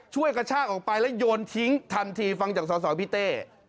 กระชากออกไปแล้วโยนทิ้งทันทีฟังจากสอสอพี่เต้